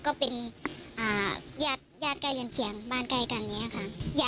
ก็เป็นญาติใกล้เรือนเคียงบ้านใกล้กันอย่างนี้ค่ะ